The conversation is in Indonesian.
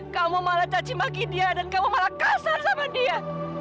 kamu malah cacimaki dia dan kamu malah kasar sama dia